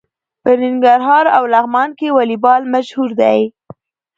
په ننګرهار او لغمان کې والیبال مشهور دی.